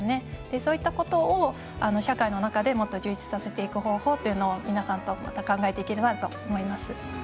そういったことを社会の中でもっと充実させていく方法というのを皆さんとまた考えていければと思います。